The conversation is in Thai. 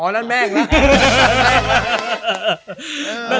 อ๋อนั่นแม่งละ